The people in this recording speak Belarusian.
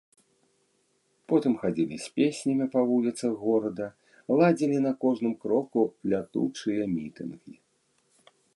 Потым хадзілі з песнямі па вуліцах горада, ладзілі на кожным кроку лятучыя мітынгі.